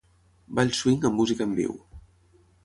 ball swing amb música en viu